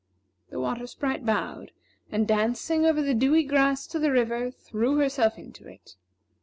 The Water Sprite bowed, and dancing over the dewy grass to the river, threw herself into it.